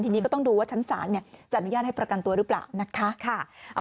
ทีนี้ก็ต้องดูว่าชั้นศาลจะอนุญาตให้ประกันตัวหรือเปล่านะคะ